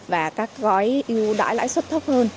và các gói ưu đại lãi xuất thấp hơn